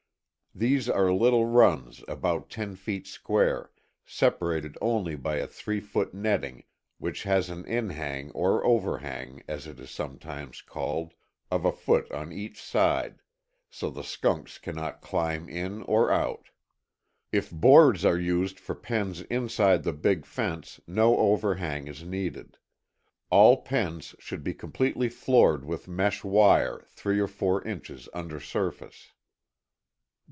These are little runs about ten feet square, separated only by a three foot netting which has an inhang or overhang as it is some times called, of a foot on each side, so the skunks cannot climb in or out. If boards are used for pens inside the big fence no overhang is needed. All pens should be completely floored with mesh wire three or four inches under surface.